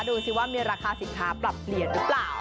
ดูสิว่ามีราคาสินค้าปรับเปลี่ยนหรือเปล่า